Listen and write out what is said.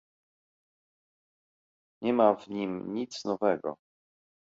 Nie ma w nim nic nowego